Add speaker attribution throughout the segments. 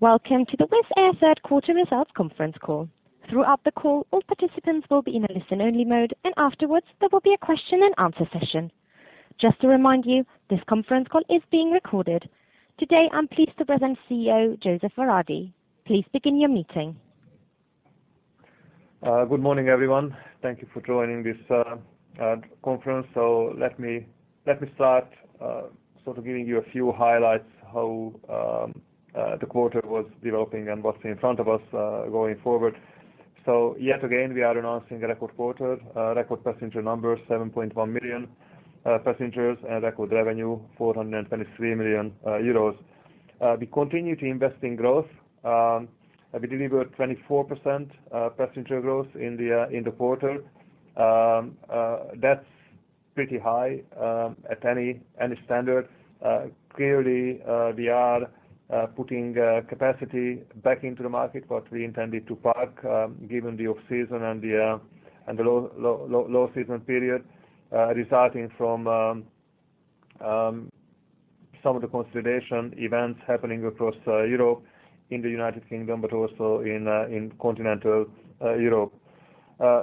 Speaker 1: Welcome to the Wizz Air Third Quarter Results Conference Call. Throughout the call, all participants will be in a listen-only mode. Afterwards there will be a question-and-answer session. Just to remind you, this conference call is being recorded. Today, I am pleased to present CEO József Váradi. Please begin your meeting.
Speaker 2: Good morning, everyone. Thank you for joining this conference. Let me start giving you a few highlights, how the quarter was developing and what's in front of us going forward. Yet again, we are announcing a record quarter. Record passenger numbers, 7.1 million passengers, and record revenue, 423 million euros. We continue to invest in growth. We delivered 24% passenger growth in the quarter. That's pretty high at any standard. Clearly, we are putting capacity back into the market, what we intended to park given the off-season and the low season period resulting from some of the consolidation events happening across Europe, in the United Kingdom, but also in continental Europe.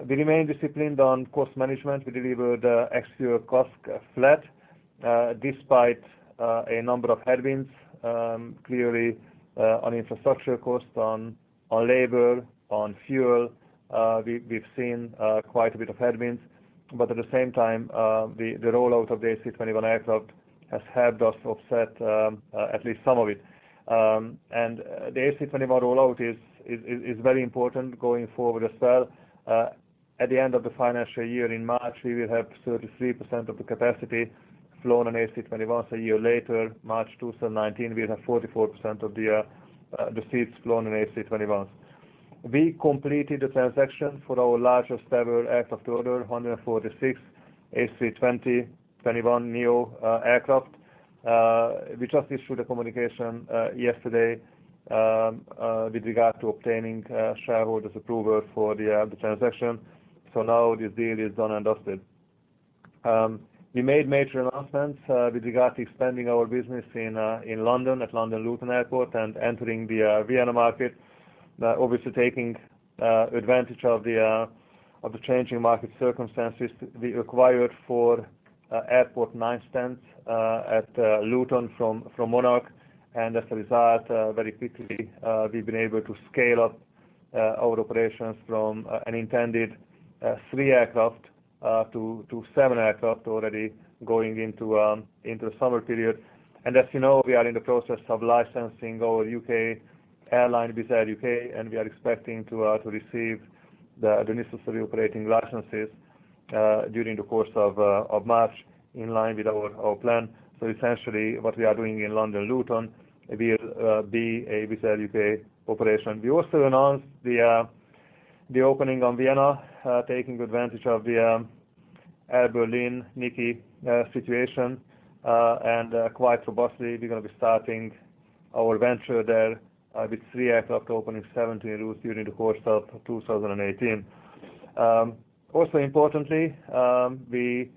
Speaker 2: We remain disciplined on cost management. We delivered ex-fuel CASK flat despite a number of headwinds, clearly on infrastructure cost, on labor, on fuel. We've seen quite a bit of headwinds, but at the same time, the rollout of the A321 aircraft has helped us offset at least some of it. The A321 rollout is very important going forward as well. At the end of the financial year in March, we will have 33% of the capacity flown on A321s. A year later, March 2019, we'll have 44% of the seats flown on A321s. We completed the transaction for our largest-ever aircraft order, 146 A320, A321 NEO aircraft. We just issued a communication yesterday with regard to obtaining shareholders' approval for the transaction. Now this deal is done and dusted. We made major announcements with regard to expanding our business in London at London Luton Airport and entering the Vienna market. Obviously taking advantage of the changing market circumstances. We acquired four airport night stands at Luton from Monarch. As a result, very quickly we've been able to scale up our operations from an intended three aircraft to seven aircraft already going into summer period. As you know, we are in the process of licensing our U.K. airline, Wizz Air UK, and we are expecting to receive the necessary operating licenses during the course of March in line with our plan. Essentially, what we are doing in London Luton will be a Wizz Air UK operation. We also announced the opening of Vienna, taking advantage of the Air Berlin, NIKI situation. Quite robustly, we're going to be starting our venture there with three aircraft opening 17 routes during the course of 2018. Also importantly, we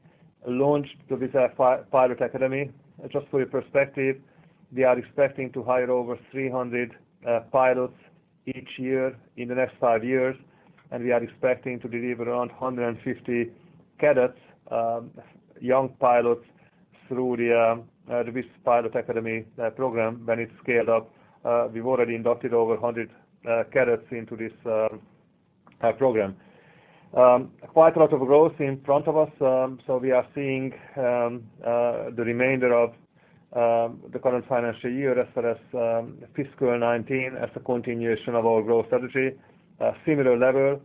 Speaker 2: launched the Wizz Air Pilot Academy. Just for your perspective, we are expecting to hire over 300 pilots each year in the next five years, and we are expecting to deliver around 150 cadets, young pilots through the Wizz Air Pilot Academy program when it is scaled up. We have already inducted over 100 cadets into this program. Quite a lot of growth in front of us. We are seeing the remainder of the current financial year as well as fiscal 2019 as a continuation of our growth strategy. A similar level.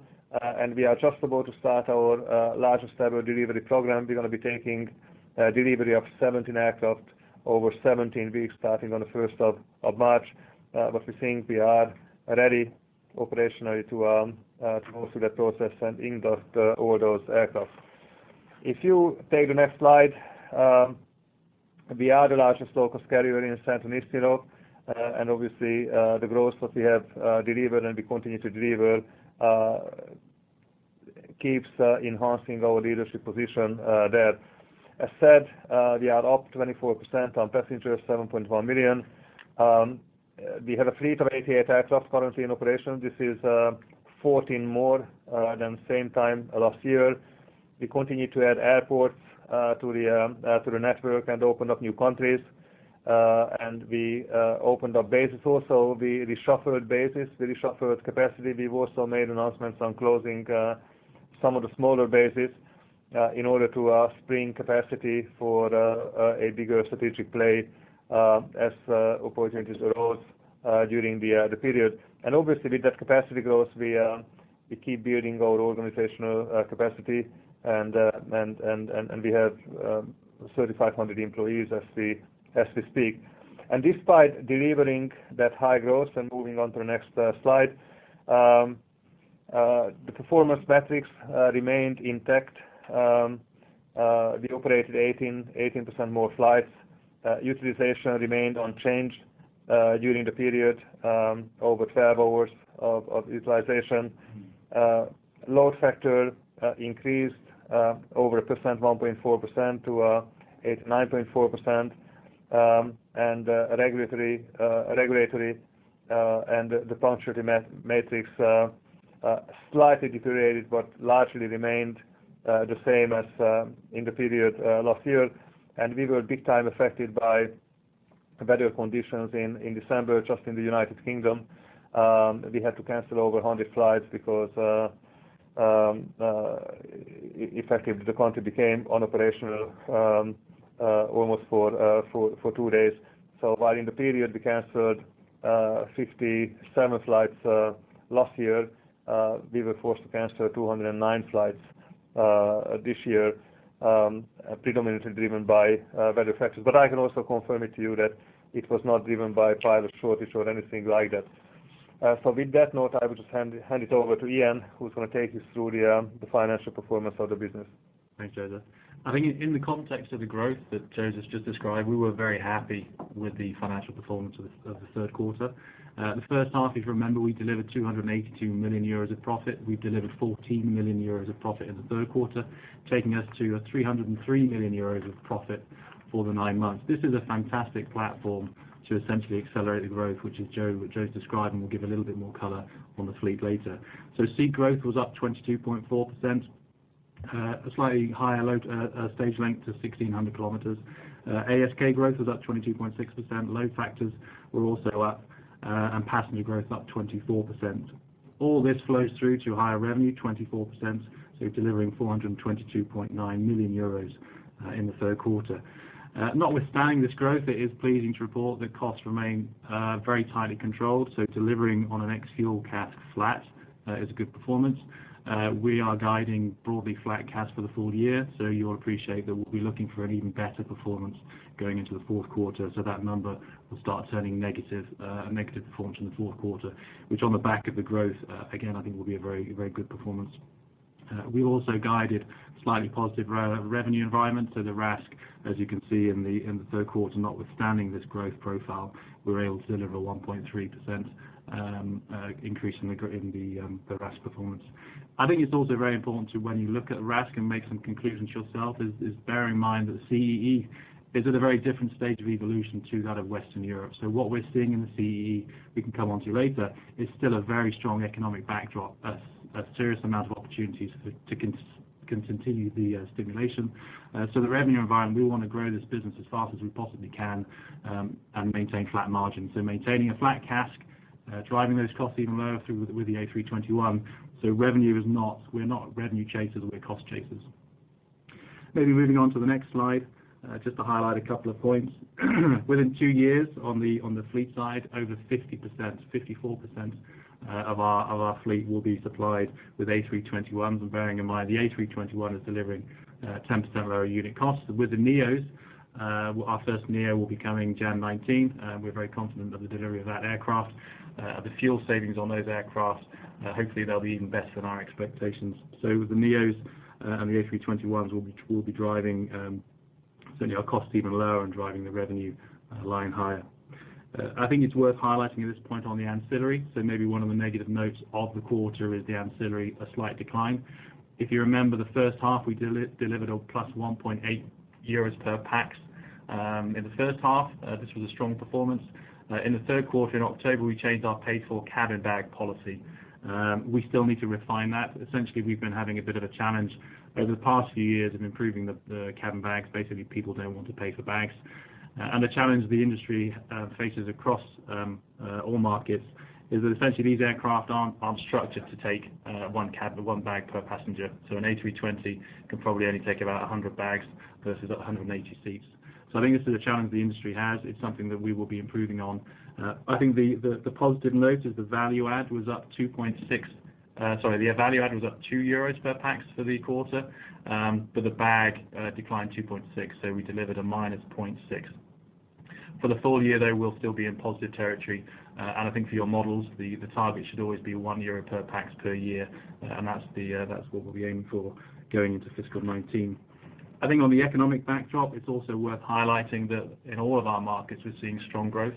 Speaker 2: We are just about to start our largest-ever delivery program. We are going to be taking delivery of 17 aircraft over 17 weeks starting on the 1st of March. We think we are ready operationally to go through that process and induct all those aircraft. If you take the next slide, we are the largest low-cost carrier in Central and Eastern Europe. Obviously, the growth that we have delivered, and we continue to deliver, keeps enhancing our leadership position there. As said, we are up 24% on passengers, 7.1 million. We have a fleet of 88 aircraft currently in operation. This is 14 more than same time last year. We continue to add airports to the network and open up new countries. We opened up bases also. We reshuffled bases. We reshuffled capacity. We have also made announcements on closing some of the smaller bases in order to spring capacity for a bigger strategic play as opportunities arose during the period. Obviously with that capacity growth, we keep building our organizational capacity, and we have 3,500 employees as we speak. Despite delivering that high growth, and moving on to the next slide, the performance metrics remained intact. We operated 18% more flights. Utilization remained unchanged during the period, over 12 hours of utilization. Load factor increased over a percent, 1.4% to 89.4%. Regulatory and the punctuality matrix slightly deteriorated, but largely remained the same as in the period last year. We were big time affected by weather conditions in December, just in the United Kingdom. We had to cancel over 100 flights because effectively the country became unoperational almost for two days. While in the period we canceled 57 flights last year, we were forced to cancel 209 flights this year predominantly driven by weather factors. I can also confirm it to you that it was not driven by pilot shortage or anything like that. With that note, I would just hand it over to Ian, who's going to take you through the financial performance of the business.
Speaker 3: Thanks, József. I think in the context of the growth that József's just described, we were very happy with the financial performance of the third quarter. The first half, if you remember, we delivered 282 million euros of profit. We delivered 14 million euros of profit in the third quarter, taking us to 303 million euros of profit for the nine months. This is a fantastic platform to essentially accelerate the growth, which as Joe's described, and we'll give a little bit more color on the fleet later. Seat growth was up 22.4%, a slightly higher load stage length to 1,600 km. ASK growth was up 22.6%. Load factors were also up, and passenger growth up 24%. All this flows through to higher revenue, 24%, so delivering 422.9 million euros in the third quarter. Notwithstanding this growth, it is pleasing to report that costs remain very tightly controlled. Delivering on an ex-fuel CASK flat is a good performance. We are guiding broadly flat CASK for the full year. You'll appreciate that we'll be looking for an even better performance going into the fourth quarter. That number will start turning negative performance in the fourth quarter, which on the back of the growth, again, I think, will be a very good performance. We also guided slightly positive revenue environment. The RASK, as you can see in the third quarter, notwithstanding this growth profile, we were able to deliver 1.3% increase in the RASK performance. I think it's also very important to, when you look at RASK and make some conclusions yourself, is bear in mind that CEE is at a very different stage of evolution to that of Western Europe. What we're seeing in the CEE, we can come onto later, is still a very strong economic backdrop, a serious amount of opportunities to continue the stimulation. The revenue environment, we want to grow this business as fast as we possibly can, and maintain flat margins. Maintaining a flat CASK, driving those costs even lower through with the A321. We're not revenue chasers, we're cost chasers. Maybe moving on to the next slide, just to highlight a couple of points. Within two years on the fleet side, over 50%, 54% of our fleet will be supplied with A321s. And bearing in mind, the A321 is delivering 10% lower unit costs. With the NEOs, our first NEO will be coming January 2019. We're very confident of the delivery of that aircraft. The fuel savings on those aircraft, hopefully they'll be even better than our expectations. The NEOs and the A321s will be driving certainly our costs even lower and driving the revenue line higher. I think it's worth highlighting at this point on the ancillary. Maybe one of the negative notes of the quarter is the ancillary, a slight decline. If you remember the first half, we delivered a +1.8 euros per pax in the first half. This was a strong performance. In the third quarter, in October, we changed our pay-for cabin bag policy. We still need to refine that. Essentially, we've been having a bit of a challenge over the past few years of improving the cabin bags. Basically, people don't want to pay for bags. And the challenge the industry faces across all markets is that essentially these aircraft aren't structured to take one bag per passenger. An A320 can probably only take about 100 bags versus 180 seats. I think this is a challenge the industry has. It's something that we will be improving on. I think the positive note is the value add was up 2.6, sorry, the value add was up 2 euros per pax for the quarter. The bag declined 2.6, so we delivered a -0.6. For the full year, they will still be in positive territory. I think for your models, the target should always be 1 euro per pax per year. That's what we'll be aiming for going into fiscal 2019. I think on the economic backdrop, it's also worth highlighting that in all of our markets, we're seeing strong growth.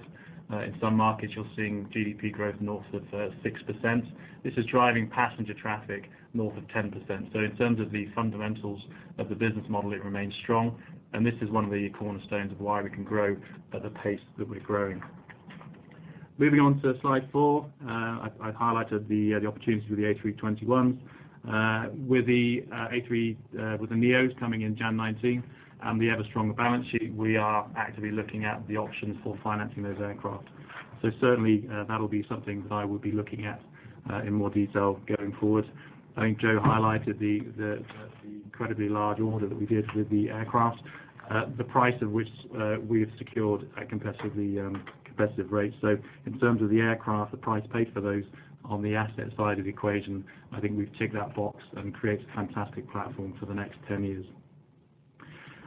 Speaker 3: In some markets, you're seeing GDP growth north of 6%. This is driving passenger traffic north of 10%. In terms of the fundamentals of the business model, it remains strong, and this is one of the cornerstones of why we can grow at the pace that we're growing. Moving on to slide four, I highlighted the opportunity with the A321s. With the NEOs coming in January 2019, and we have a stronger balance sheet, we are actively looking at the options for financing those aircraft. Certainly, that'll be something that I will be looking at in more detail going forward. I think Joe highlighted the incredibly large order that we did with the aircraft, the price of which we have secured at competitive rates. In terms of the aircraft, the price paid for those on the asset side of the equation, I think we've ticked that box and created a fantastic platform for the next 10 years.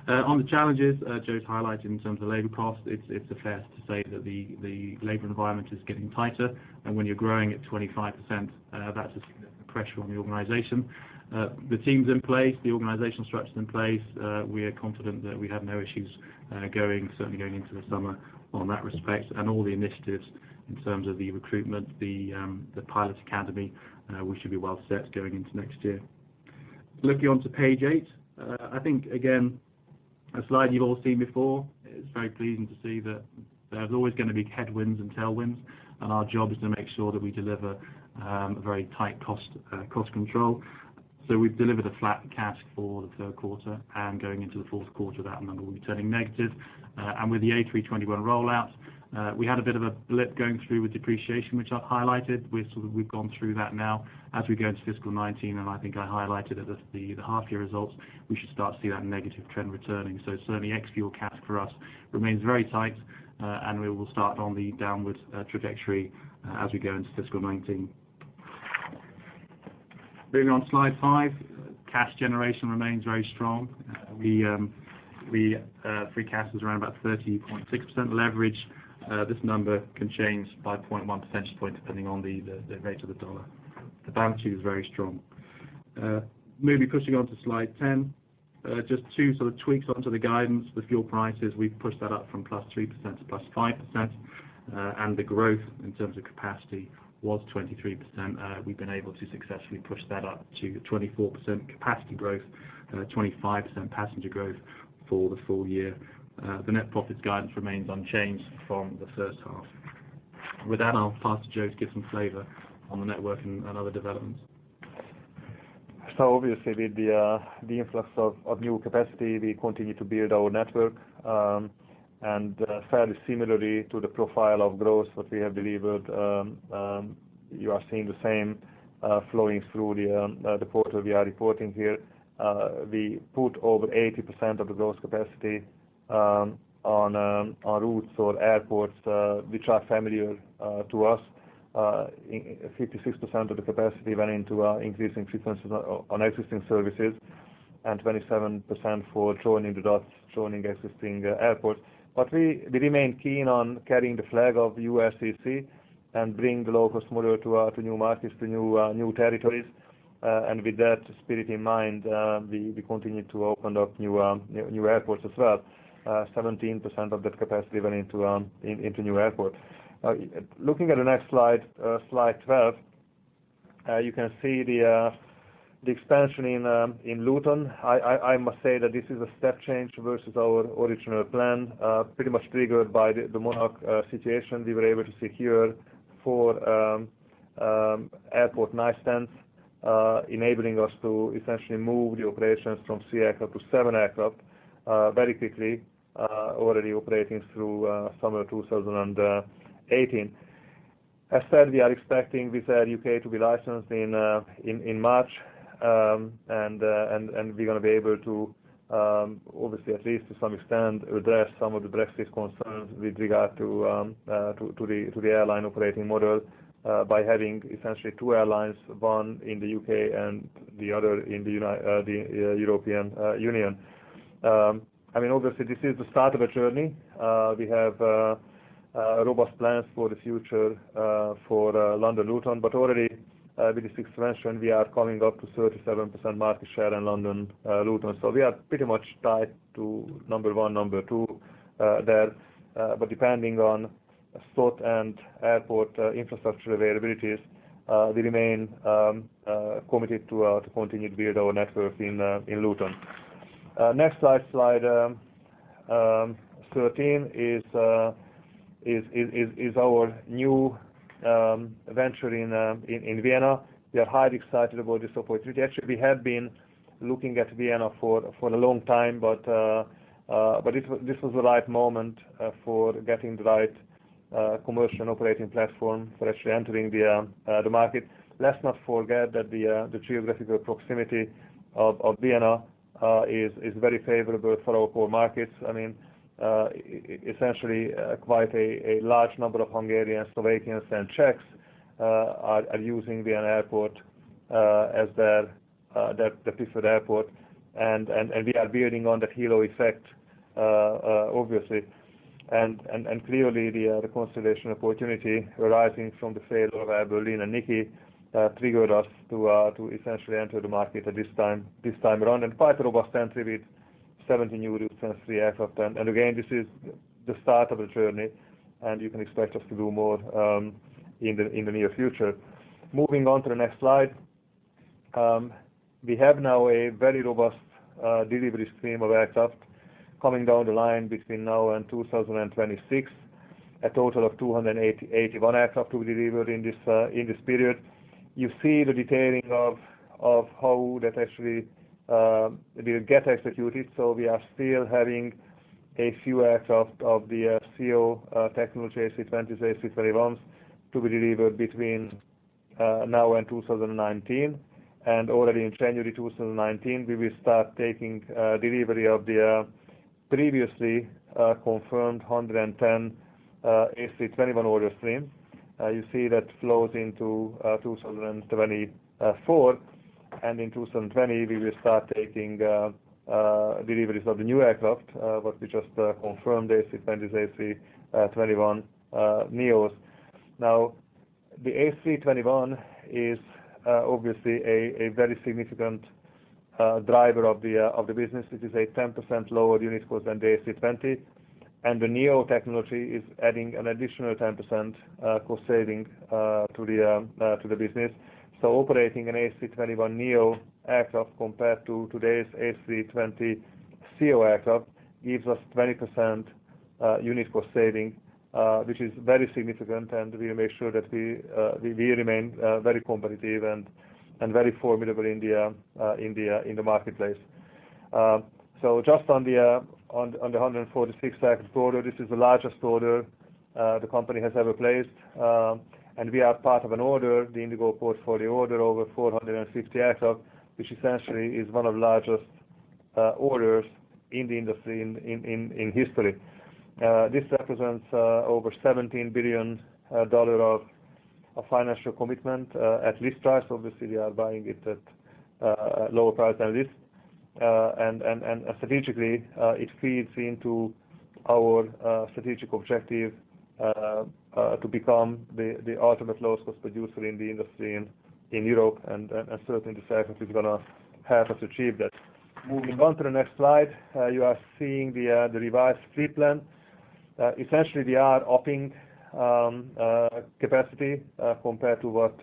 Speaker 3: On the challenges Joe's highlighted in terms of labor costs, it's fair to say that the labor environment is getting tighter. When you're growing at 25%, that's a pressure on the organization. The team's in place, the organizational structure's in place. We are confident that we have no issues certainly going into the summer on that respect, and all the initiatives in terms of the recruitment, the pilots academy, we should be well set going into next year. Looking onto page eight. I think, again, a slide you've all seen before. It's very pleasing to see that there's always going to be headwinds and tailwinds, and our job is to make sure that we deliver a very tight cost control. We've delivered a flat CASK for the third quarter, and going into the fourth quarter, that number will be turning negative. With the A321 rollout, we had a bit of a blip going through with depreciation, which I've highlighted. We've sort of gone through that now as we go into fiscal 2019, and I think I highlighted at the half-year results, we should start to see that negative trend returning. Certainly ex-fuel CASK for us remains very tight, and we will start on the downward trajectory as we go into fiscal 2019. Moving on to slide five. Cash generation remains very strong. Free cash is around about 30.6% leverage. This number can change by 0.1 percentage point depending on the rate of the U.S. dollar. The balance sheet is very strong. Maybe pushing on to slide 10. Just two sort of tweaks onto the guidance. With fuel prices, we've pushed that up from +3% to +5%, and the growth in terms of capacity was 23%. We've been able to successfully push that up to 24% capacity growth and a 25% passenger growth for the full year. The net profits guidance remains unchanged from the first half. With that, I'll pass to Joe to give some flavor on the network and other developments.
Speaker 2: obviously, with the influx of new capacity, we continue to build our network, fairly similarly to the profile of growth that we have delivered, you are seeing the same flowing through the quarter we are reporting here. We put over 80% of the gross capacity on routes or airports which are familiar to us. 56% of the capacity went into our increasing frequencies on existing services and 27% for joining the dots, joining existing airports. We remain keen on carrying the flag of Wizz Air and bring the low-cost model to new markets, to new territories. With that spirit in mind, we continue to open up new airports as well. 17% of that capacity went into new airports. Looking at the next slide 12, you can see the expansion in Luton. I must say that this is a step change versus our original plan, pretty much triggered by the Monarch situation. We were able to secure four airport night stands, enabling us to essentially move the operations from three aircraft to seven aircraft very quickly, already operating through summer 2018. As said, we are expecting Wizz Air UK to be licensed in March, we're going to be able to, obviously at least to some extent, address some of the Brexit concerns with regard to the airline operating model, by having essentially two airlines, one in the UK and the other in the European Union. This is the start of a journey. We have robust plans for the future for London Luton, already with this expansion, we are coming up to 37% market share in London Luton. We are pretty much tied to number 1, number 2 there. Depending on slot and airport infrastructure availabilities, we remain committed to continue to build our network in Luton. Next slide 13, is our new venture in Vienna. We are highly excited about this opportunity. Actually, we have been looking at Vienna for a long time, this was the right moment for getting the right commercial and operating platform for actually entering the market. Let's not forget that the geographical proximity of Vienna is very favorable for our core markets. Essentially, quite a large number of Hungarians, Slovakians, and Czechs are using Vienna Airport as their preferred airport, we are building on that halo effect, obviously. Clearly, the consolidation opportunity arising from the sale of Air Berlin and NIKI triggered us to essentially enter the market this time around, quite a robust entry with 70 new routes and 3 aircraft. Again, this is the start of a journey, you can expect us to do more in the near future. Moving on to the next slide. We have now a very robust delivery stream of aircraft coming down the line between now and 2026. A total of 281 aircraft to be delivered in this period. You see the detailing of how that actually will get executed. We are still having a few aircraft of the inaudble] to be delivered between now and 2019. Already in January 2019, we will start taking delivery of the previously confirmed 110 A321 order stream. You see that flows into 2024, in 2020, we will start taking deliveries of the new aircraft, what we just confirmed, the A320, A321neos. The A321 is obviously a very significant driver of the business. It is a 10% lower unit cost than the A320. The NEO technology is adding an additional 10% cost saving to the business. Operating an A321neo aircraft compared to today's A320ceo aircraft gives us 20% unit cost saving, which is very significant, and we make sure that we remain very competitive and very formidable in the marketplace. Just on the 146 aircraft order, this is the largest order the company has ever placed. We are part of an order, the Indigo portfolio order, over 450 aircraft, which essentially is one of the largest orders in the industry in history. This represents over $17 billion of financial commitment at list price. Obviously, we are buying it at a lower price than list. Strategically, it feeds into our strategic objective to become the ultimate low-cost producer in the industry in Europe, and certainly, this aircraft is going to help us achieve that. Moving on to the next slide, you are seeing the revised fleet plan. Essentially, we are upping capacity compared to what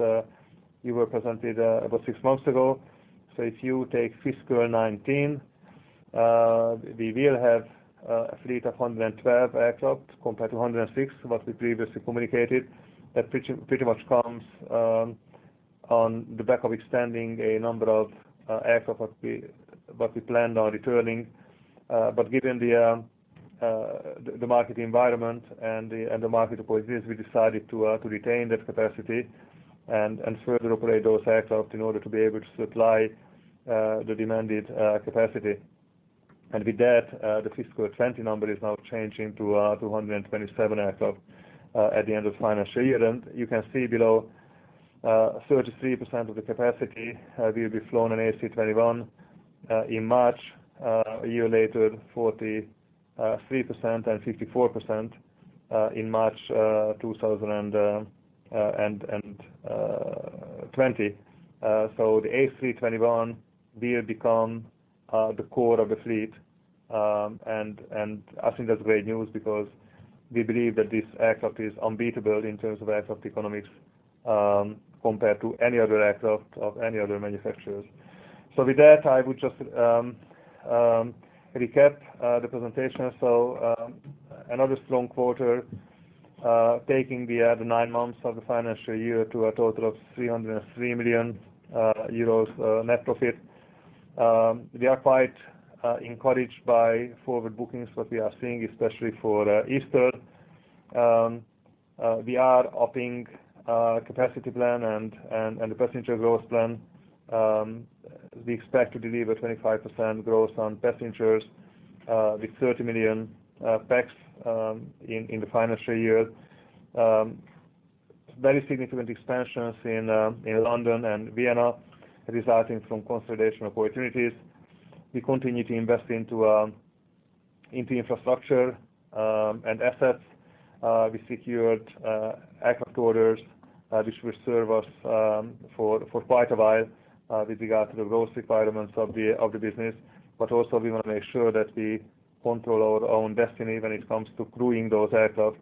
Speaker 2: you were presented about six months ago. If you take fiscal 2019, we will have a fleet of 112 aircraft compared to 106, what we previously communicated. That pretty much comes on the back of extending a number of aircraft what we planned on returning. Given the market environment and the market opportunities, we decided to retain that capacity and further operate those aircraft in order to be able to supply the demanded capacity. With that, the fiscal 2020 number is now changing to 127 aircraft at the end of the financial year. You can see below, 33% of the capacity will be flown in A321 in March. A year later, 43% and 54% in March 2020. The A321 will become the core of the fleet, and I think that's great news because we believe that this aircraft is unbeatable in terms of aircraft economics compared to any other aircraft of any other manufacturers. With that, I would just recap the presentation. Another strong quarter, taking the other nine months of the financial year to a total of 303 million euros net profit. We are quite encouraged by forward bookings, what we are seeing, especially for Easter. We are upping capacity plan and the passenger growth plan. We expect to deliver 25% growth on passengers with 30 million pax in the financial year. Very significant expansions in London and Vienna, resulting from consolidation opportunities. We continue to invest into infrastructure and assets. We secured aircraft orders, which will serve us for quite a while with regard to the growth requirements of the business. Also, we want to make sure that we control our own destiny when it comes to crewing those aircraft.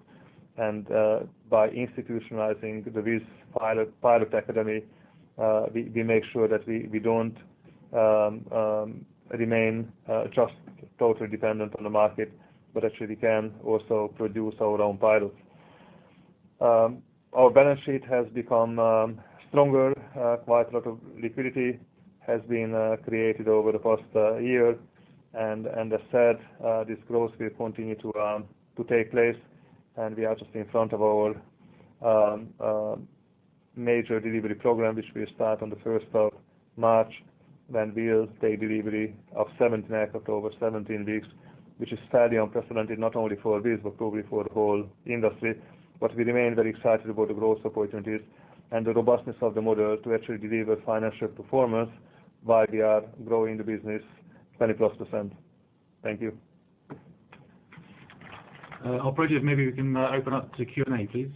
Speaker 2: By institutionalizing the Wizz Pilot Academy, we make sure that we don't remain just totally dependent on the market, but actually we can also produce our own pilots. Our balance sheet has become stronger. Quite a lot of liquidity has been created over the past year. As said, this growth will continue to take place. We are just in front of our major delivery program, which will start on the 1st of March, when we'll take delivery of 17 aircraft over 17 weeks, which is fairly unprecedented, not only for Wizz, but probably for the whole industry. We remain very excited about the growth opportunities and the robustness of the model to actually deliver financial performance while we are growing the business 20-plus%. Thank you.
Speaker 3: Operator, maybe we can open up to Q&A, please.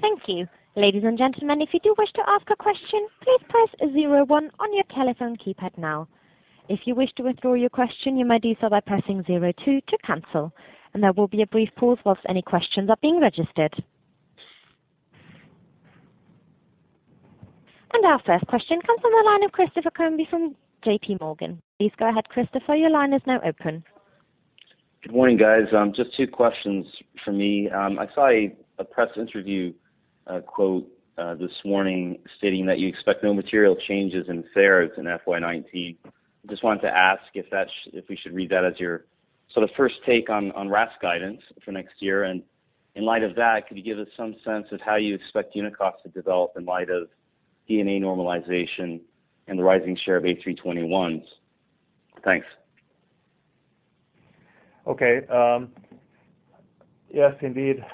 Speaker 1: Thank you. Ladies and gentlemen, if you do wish to ask a question, please press 01 on your telephone keypad now. If you wish to withdraw your question, you may do so by pressing 02 to cancel. There will be a brief pause whilst any questions are being registered. Our first question comes from the line of Christopher Colby from J.P. Morgan. Please go ahead, Christopher. Your line is now open.
Speaker 4: Good morning, guys. Just two questions from me. I saw a press interview quote this morning stating that you expect no material changes in fares in FY 2019. I just wanted to ask if we should read that as your sort of first take on RASK guidance for next year, and in light of that, could you give us some sense of how you expect unit cost to develop in light of D&A normalization and the rising share of A321s? Thanks.
Speaker 2: Okay. Yes, indeed.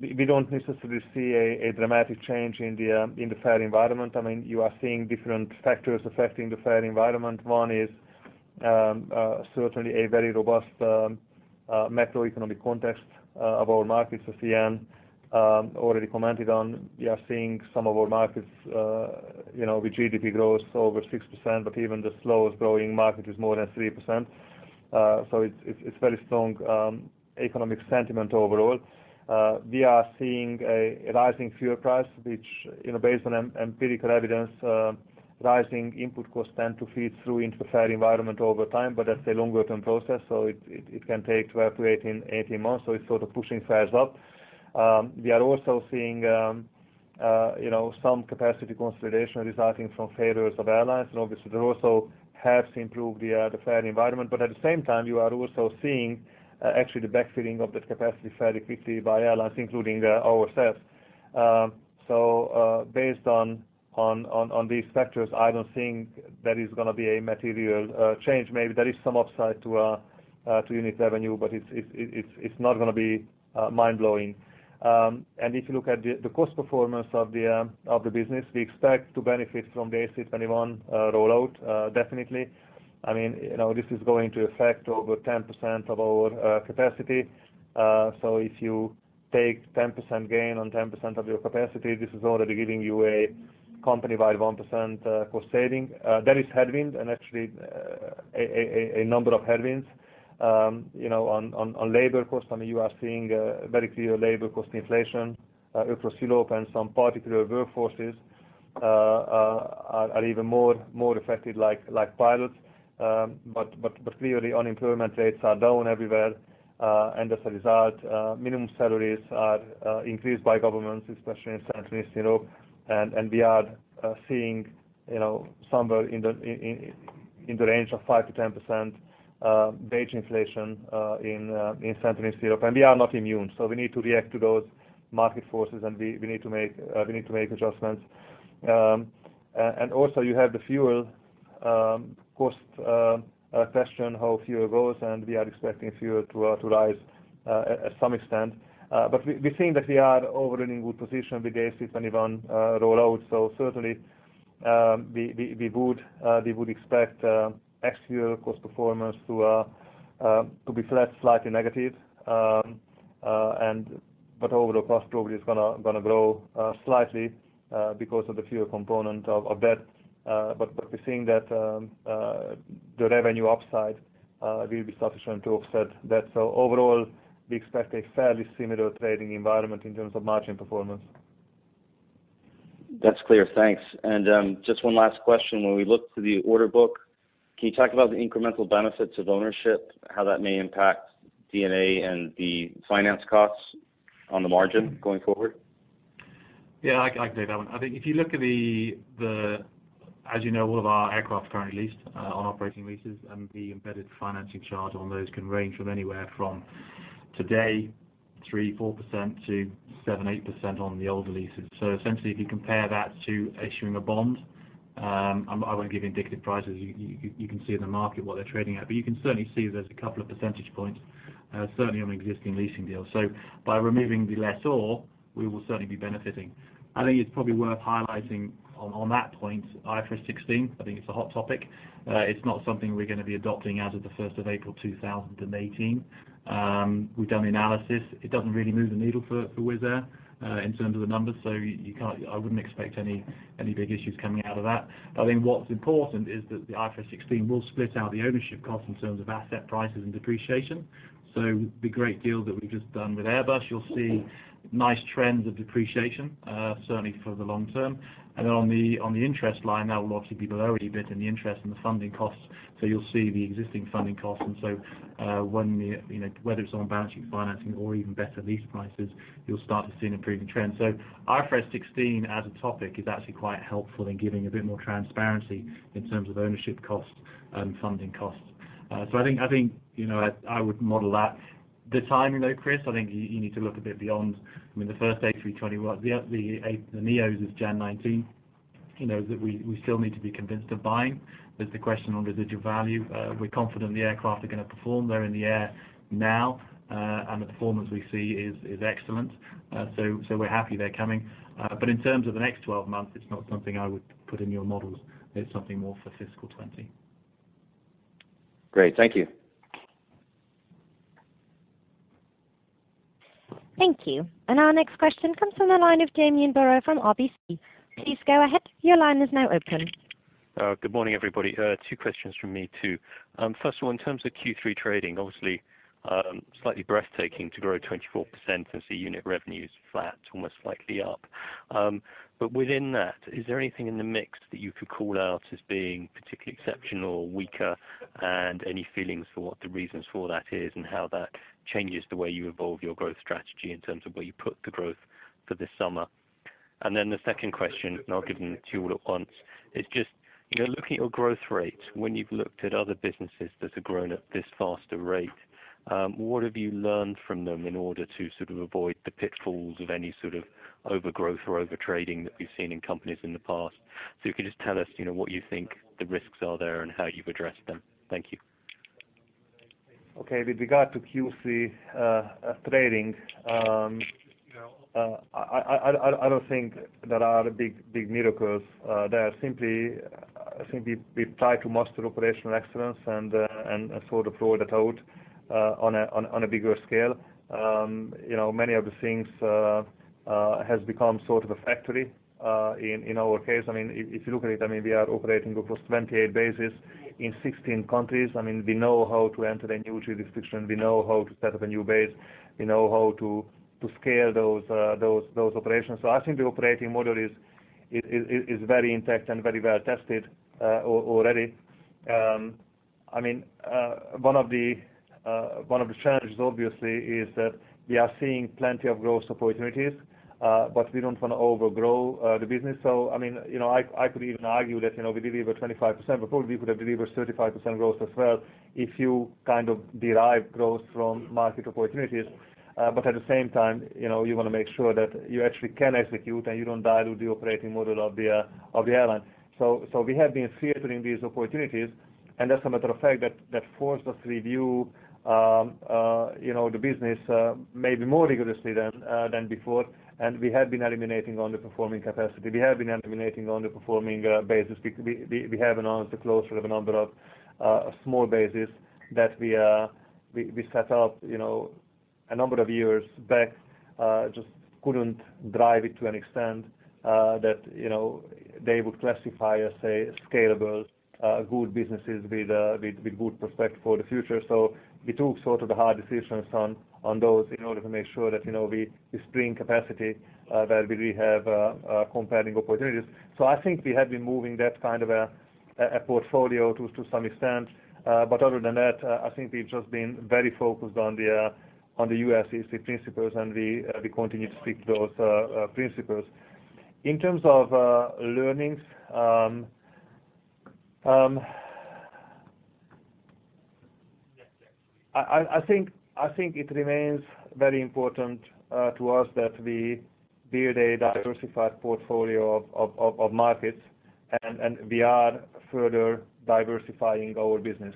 Speaker 2: We don't necessarily see a dramatic change in the fare environment. I mean, you are seeing different factors affecting the fare environment. One is certainly a very robust macroeconomic context of our markets of CEE already commented on. We are seeing some of our markets with GDP growth over 6%, but even the slowest-growing market is more than 3%. It's very strong economic sentiment overall. We are seeing a rising fuel price, which based on empirical evidence, rising input costs tend to feed through into the fare environment over time, but that's a longer-term process, it can take 12 to 18 months. It's sort of pushing fares up. We are also seeing some capacity consolidation resulting from failures of airlines, obviously that also helps improve the fare environment. At the same time, you are also seeing actually the backfilling of that capacity fairly quickly by airlines, including ourselves. Based on these factors, I don't think there is going to be a material change. Maybe there is some upside to unit revenue, but it's not going to be mind-blowing. If you look at the cost performance of the business, we expect to benefit from the A321 rollout, definitely. This is going to affect over 10% of our capacity. If you take 10% gain on 10% of your capacity, this is already giving you a company-wide 1% cost saving. There is headwind, actually a number of headwinds on labor cost. You are seeing very clear labor cost inflation across Europe, some particular workforces are even more affected, like pilots. Clearly unemployment rates are down everywhere. As a result, minimum salaries are increased by governments, especially in Central East Europe, we are seeing somewhere in the range of 5%-10% wage inflation in Central East Europe. We are not immune. We need to react to those market forces, we need to make adjustments. You have the fuel cost question, how fuel goes, we are expecting fuel to rise at some extent. We think that we are already in a good position with the A321 rollout. Certainly, we would expect actual cost performance to be flat, slightly negative. Overall cost probably is going to grow slightly because of the fuel component of that. We're seeing that the revenue upside will be sufficient to offset that. Overall, we expect a fairly similar trading environment in terms of margin performance.
Speaker 4: That's clear. Thanks. Just one last question. When we look to the order book, can you talk about the incremental benefits of ownership, how that may impact D&A and the finance costs on the margin going forward?
Speaker 3: Yeah, I can take that one. I think if you look at the, as you know, all of our aircraft are currently leased on operating leases, and the embedded financing charge on those can range from anywhere from today, 3%, 4% to 7%, 8% on the older leases. Essentially, if you compare that to issuing a bond, I won't give indicative prices. You can see in the market what they're trading at. You can certainly see there's a couple of percentage points, certainly on existing leasing deals. By removing the lessor, we will certainly be benefiting. I think it's probably worth highlighting on that point, IFRS 16, I think it's a hot topic. It's not something we're going to be adopting as of the 1st of April 2018. We've done the analysis. It doesn't really move the needle for Wizz Air in terms of the numbers. I wouldn't expect any big issues coming out of that. I think what's important is that the IFRS 16 will split out the ownership cost in terms of asset prices and depreciation. The great deal that we've just done with Airbus, you'll see nice trends of depreciation, certainly for the long term. On the interest line, that will obviously be below a bit in the interest and the funding costs. You'll see the existing funding costs, whether it's on balancing, financing, or even better lease prices, you'll start to see an improving trend. IFRS 16 as a topic is actually quite helpful in giving a bit more transparency in terms of ownership cost and funding costs. I think I would model that. The timing, though, Chris, I think you need to look a bit beyond. The first A321 NEOs is January 2019. We still need to be convinced of buying. There's the question on residual value. We're confident the aircraft are going to perform. They're in the air now, and the performance we see is excellent. We're happy they're coming. In terms of the next 12 months, it's not something I would put in your models. It's something more for fiscal 2020.
Speaker 4: Great. Thank you.
Speaker 1: Thank you. Our next question comes from the line of Damien Burrow from RBC. Please go ahead. Your line is now open.
Speaker 5: Good morning, everybody. Two questions from me, too. First of all, in terms of Q3 trading, obviously, slightly breathtaking to grow 24% and see unit revenues flat, almost slightly up. Within that, is there anything in the mix that you could call out as being particularly exceptional or weaker? Any feelings for what the reasons for that is and how that changes the way you evolve your growth strategy in terms of where you put the growth for this summer? The second question, and I'll give them to you all at once, is just looking at your growth rates, when you've looked at other businesses that have grown at this faster rate, what have you learned from them in order to sort of avoid the pitfalls of any sort of overgrowth or overtrading that we've seen in companies in the past? If you could just tell us what you think the risks are there and how you've addressed them. Thank you.
Speaker 2: Okay. With regard to Q3 trading I don't think there are big miracles there. Simply, we try to master operational excellence and sort of roll that out on a bigger scale. Many of the things have become sort of a factory in our case. If you look at it, we are operating across 28 bases in 16 countries. We know how to enter a new jurisdiction. We know how to set up a new base. We know how to scale those operations. I think the operating model is very intact and very well-tested already. One of the challenges, obviously, is that we are seeing plenty of growth opportunities, but we don't want to overgrow the business. I could even argue that we deliver 25%. Probably we could have delivered 35% growth as well if you derive growth from market opportunities. At the same time, you want to make sure that you actually can execute and you don't dilute the operating model of the airline. We have been filtering these opportunities, and as a matter of fact, that forced us to review the business maybe more rigorously than before, and we have been eliminating underperforming capacity. We have been eliminating underperforming bases. We have announced the closure of a number of small bases that we set up a number of years back. Just couldn't drive it to an extent that they would classify as, say, scalable, good businesses with good prospects for the future. We took the hard decisions on those in order to make sure that we spring capacity where we have compelling opportunities. I think we have been moving that kind of a portfolio to some extent. Other than that, I think we've just been very focused on the ULCC principles, and we continue to stick to those principles. In terms of learnings, I think it remains very important to us that we build a diversified portfolio of markets, and we are further diversifying our business.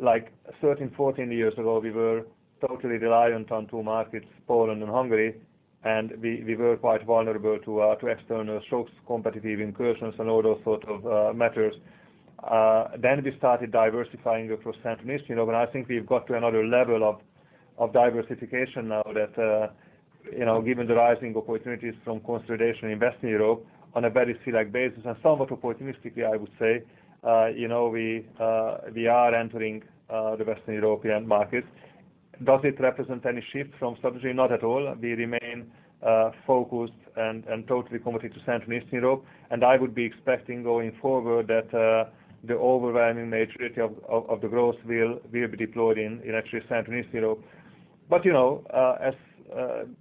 Speaker 2: Like 13, 14 years ago, we were totally reliant on two markets, Poland and Hungary, and we were quite vulnerable to external shocks, competitive incursions, and all those sort of matters. We started diversifying across Central and Eastern Europe, and I think we've got to another level of diversification now that, given the rising opportunities from consolidation in Western Europe on a very select basis, and somewhat opportunistically, I would say, we are entering the Western European markets. Does it represent any shift from strategy? Not at all. We remain focused and totally committed to Central and Eastern Europe, and I would be expecting going forward that the overwhelming majority of the growth will be deployed in actually Central and Eastern Europe. As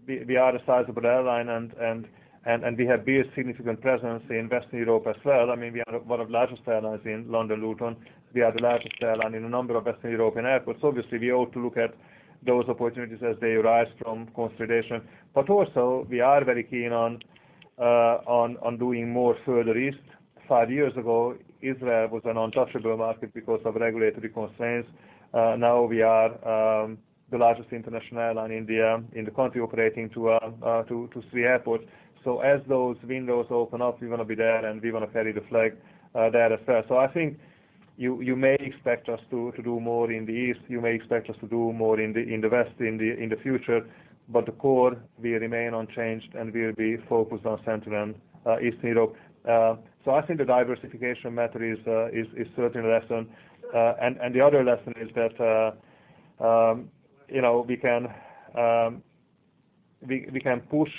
Speaker 2: we are a sizable airline and we have built a significant presence in Western Europe as well, we are one of the largest airlines in London Luton. We are the largest airline in a number of Western European airports. Obviously, we ought to look at those opportunities as they arise from consolidation. Also, we are very keen on doing more further east. Five years ago, Israel was an untouchable market because of regulatory constraints. Now we are the largest international airline in the country operating to three airports. As those windows open up, we want to be there, and we want to carry the flag there as well. I think you may expect us to do more in the East, you may expect us to do more in the West in the future, the core will remain unchanged, and we'll be focused on Central and Eastern Europe. I think the diversification matter is certainly a lesson. The other lesson is that we can push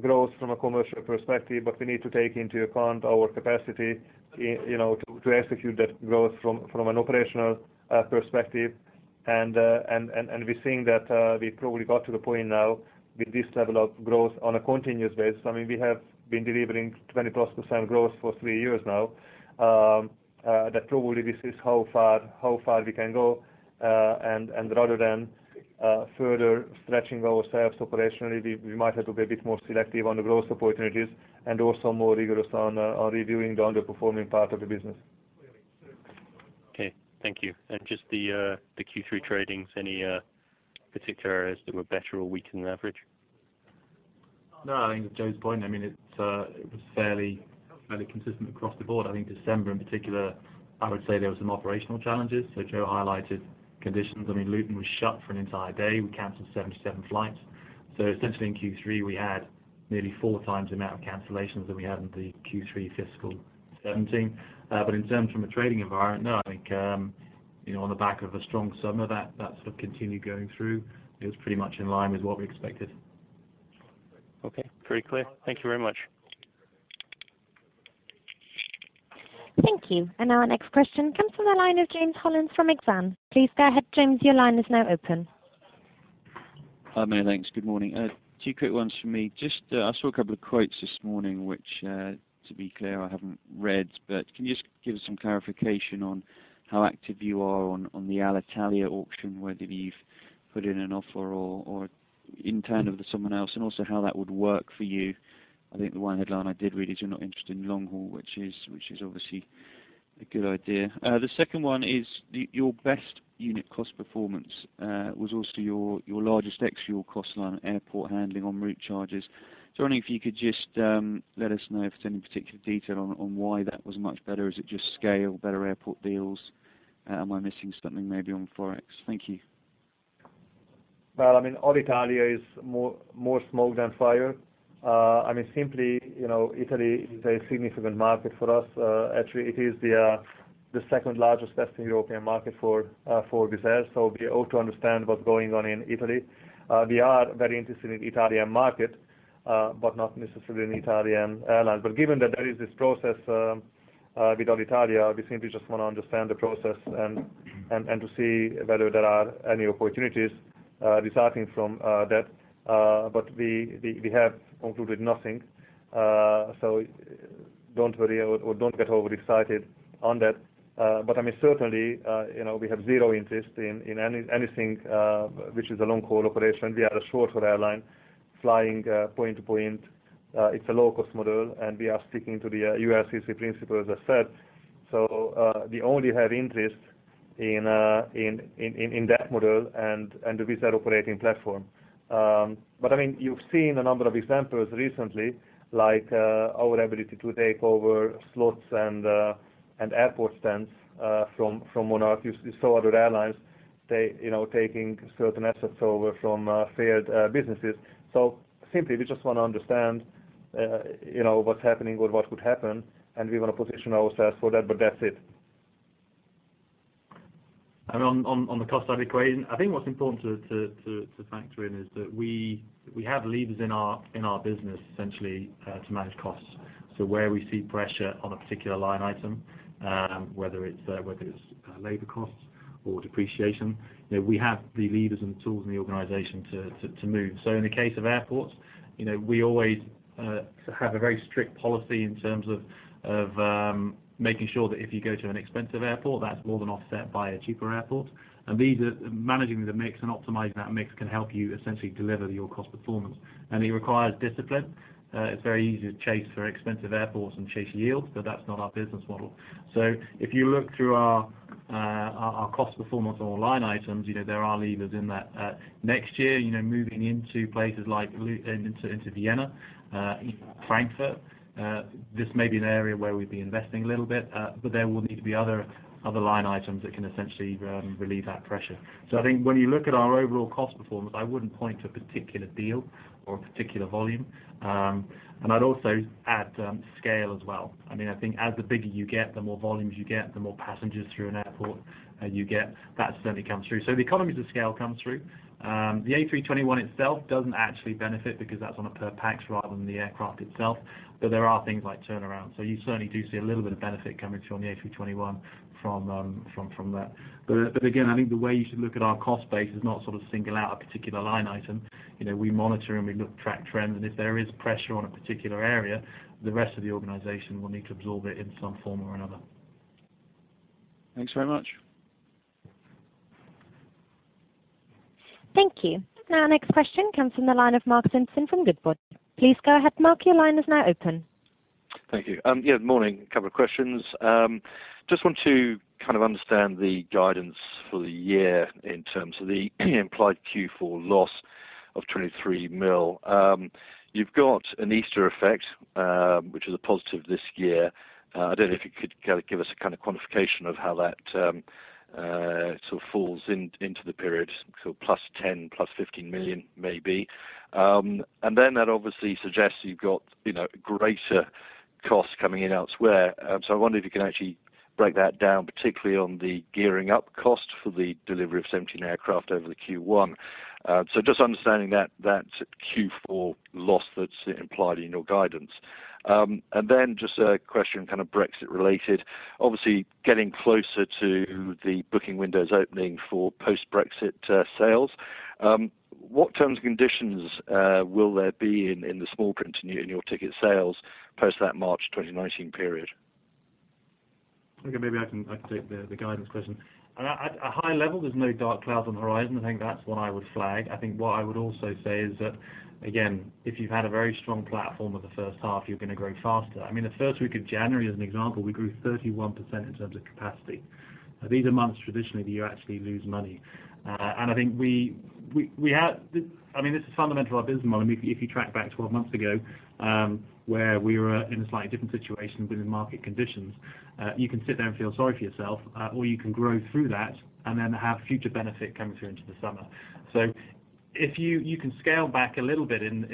Speaker 2: growth from a commercial perspective, but we need to take into account our capacity to execute that growth from an operational perspective. We're seeing that we probably got to the point now with this level of growth on a continuous basis. We have been delivering 20-plus% growth for three years now, that probably this is how far we can go. Rather than further stretching ourselves operationally, we might have to be a bit more selective on the growth opportunities and also more rigorous on reviewing the underperforming part of the business.
Speaker 5: Okay. Thank you. Just the Q3 tradings, any particular areas that were better or weaker than average?
Speaker 3: No. I think Joe's point, it was fairly consistent across the board. I think December in particular, I would say there were some operational challenges. Joe highlighted conditions. Luton was shut for an entire day. We canceled 77 flights. Essentially in Q3, we had nearly four times the amount of cancellations that we had in the Q3 fiscal 2017. In terms from a trading environment, no. I think on the back of a strong summer, that sort of continued going through. It was pretty much in line with what we expected.
Speaker 5: Okay, very clear. Thank you very much.
Speaker 1: Thank you. Our next question comes from the line of James Hollins from Exane. Please go ahead, James. Your line is now open.
Speaker 6: Hi, many thanks. Good morning. Two quick ones for me. Just I saw a couple of quotes this morning, which, to be clear, I haven't read, but can you just give us some clarification on how active you are on the Alitalia auction, whether you've put in an offer in turn of someone else, and also how that would work for you? I think the one headline I did read is you're not interested in long haul, which is obviously A good idea. The second one is your best unit cost performance was also your largest extra cost line, airport handling en route charges. József, if you could just let us know if there's any particular detail on why that was much better. Is it just scale, better airport deals? Am I missing something maybe on Forex? Thank you.
Speaker 2: Well, Alitalia is more smoke than fire. Simply, Italy is a significant market for us. Actually, it is the second largest Western European market for Wizz Air, so we ought to understand what's going on in Italy. We are very interested in Italian market, but not necessarily in Italian airlines. Given that there is this process with Alitalia, we simply just want to understand the process and to see whether there are any opportunities resulting from that. We have concluded nothing, so don't worry or don't get overexcited on that. Certainly, we have zero interest in anything which is a long-haul operation. We are a short-haul airline flying point to point. It's a low-cost model, and we are sticking to the ULCC principles, as I said. We only have interest in that model and the Wizz Air operating platform. You've seen a number of examples recently, like our ability to take over slots and airport stands from Monarch. You saw other airlines taking certain assets over from failed businesses. Simply, we just want to understand what's happening or what could happen, and we want to position ourselves for that, but that's it.
Speaker 3: On the cost side equation, I think what's important to factor in is that we have levers in our business essentially to manage costs. Where we see pressure on a particular line item, whether it's labor costs or depreciation, we have the levers and tools in the organization to move. In the case of airports, we always have a very strict policy in terms of making sure that if you go to an expensive airport, that's more than offset by a cheaper airport. Managing the mix and optimizing that mix can help you essentially deliver your cost performance. It requires discipline. It's very easy to chase very expensive airports and chase yields, but that's not our business model. If you look through our cost performance on line items, there are levers in that. Next year, moving into places like into Vienna, Frankfurt, this may be an area where we'd be investing a little bit, there will need to be other line items that can essentially relieve that pressure. I think when you look at our overall cost performance, I wouldn't point to a particular deal or a particular volume. I'd also add scale as well. I think as the bigger you get, the more volumes you get, the more passengers through an airport you get. That certainly comes through. The economies of scale comes through. The A321 itself doesn't actually benefit because that's on a per pax rather than the aircraft itself. There are things like turnaround. You certainly do see a little bit of benefit coming through on the A321 from that. Again, I think the way you should look at our cost base is not sort of single out a particular line item. We monitor and we look track trends, and if there is pressure on a particular area, the rest of the organization will need to absorb it in some form or another.
Speaker 6: Thanks very much.
Speaker 1: Thank you. Next question comes from the line of Mark Simpson from Goodbody. Please go ahead, Mark. Your line is now open.
Speaker 7: Thank you. Good morning. A couple of questions. Just want to kind of understand the guidance for the year in terms of the implied Q4 loss of 23 million. You've got an Easter effect, which is a positive this year. I don't know if you could kind of give us a kind of quantification of how that sort of falls into the period, so plus 10 million, plus 15 million, maybe. That obviously suggests you've got greater costs coming in elsewhere. I wonder if you can actually break that down, particularly on the gearing-up cost for the delivery of 17 aircraft over the Q1. Just understanding that Q4 loss that's implied in your guidance. Just a question, kind of Brexit related. Obviously, getting closer to the booking windows opening for post-Brexit sales. What terms and conditions will there be in the small print in your ticket sales post that March 2019 period?
Speaker 3: Okay, maybe I can take the guidance question. At a high level, there's no dark clouds on the horizon. I think that's what I would flag. I think what I would also say is that, again, if you've had a very strong platform of the first half, you're going to grow faster. The first week of January, as an example, we grew 31% in terms of capacity. These are months, traditionally, that you actually lose money. I think this is fundamental to our business model. If you track back 12 months ago, where we were in a slightly different situation within market conditions, you can sit there and feel sorry for yourself, or you can grow through that and then have future benefit coming through into the summer. If you can scale back a little bit in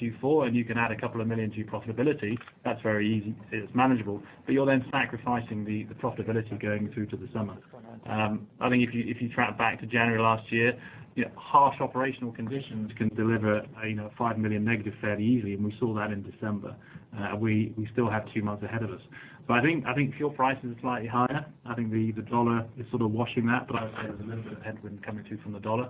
Speaker 3: Q4 and you can add a couple of million to your profitability, that's very easy. It's manageable. You're then sacrificing the profitability going through to the summer. I think if you track back to January last year, harsh operational conditions can deliver a 5 million negative fairly easily, and we saw that in December. We still have two months ahead of us. I think fuel prices are slightly higher. I think the dollar is sort of washing that, but I would say there's a little bit of headwind coming through from the dollar.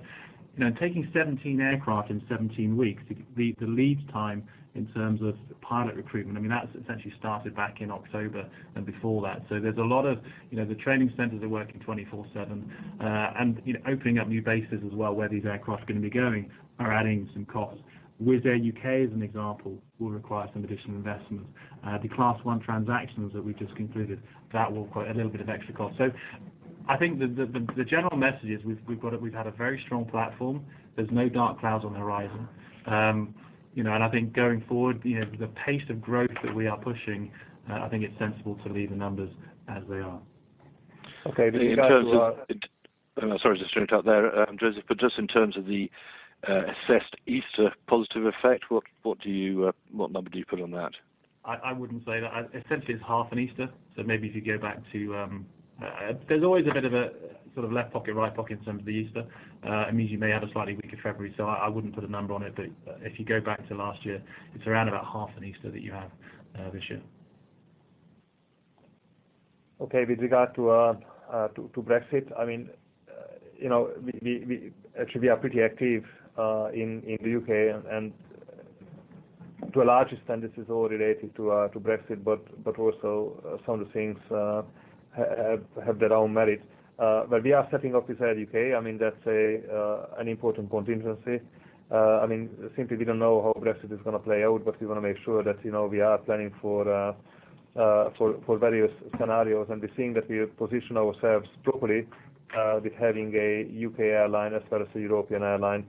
Speaker 3: Taking 17 aircraft in 17 weeks, the lead time in terms of pilot recruitment, that's essentially started back in October and before that. There's a lot of the training centers are working 24/7, and opening up new bases as well, where these aircraft are going to be going are adding some costs. Wizz Air UK, as an example, will require some additional investment. The Class 1 transactions that we just concluded, that will require a little bit of extra cost. I think the general message is we've had a very strong platform. There's no dark clouds on the horizon. I think going forward, the pace of growth that we are pushing, I think it's sensible to leave the numbers as they are.
Speaker 7: Okay. With regard to our- Sorry to interrupt there, József, but just in terms of the assessed Easter positive effect, what number do you put on that?
Speaker 3: I wouldn't say that. Essentially, it's half an Easter. There's always a bit of a sort of left pocket, right pocket in terms of the Easter. It means you may have a slightly weaker February. I wouldn't put a number on it, but if you go back to last year, it's around about half an Easter that you have this year.
Speaker 2: Okay, with regard to Brexit, actually we are pretty active in the U.K., and to a large extent this is all related to Brexit, but also some of the things have their own merit. We are setting up Wizz Air UK, that's an important contingency. Simply, we don't know how Brexit is going to play out, but we want to make sure that we are planning for various scenarios, and we're seeing that we position ourselves properly with having a U.K. airline as well as a European airline